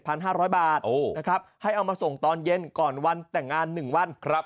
ห้าร้อยบาทโอ้นะครับให้เอามาส่งตอนเย็นก่อนวันแต่งงานหนึ่งวันครับ